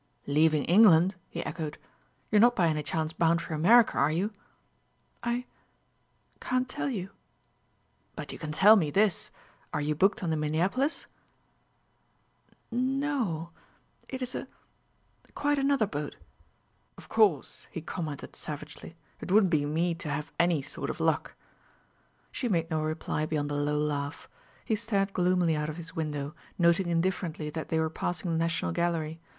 "Leaving England?" he echoed. "You're not by any chance bound for America, are you?" "I ... can't tell you." "But you can tell me this: are you booked on the Minneapolis?" "No o; it is a quite another boat." "Of course!" he commented savagely. "It wouldn't be me to have any sort of luck!" She made no reply beyond a low laugh. He stared gloomily out of his window, noting indifferently that they were passing the National Gallery.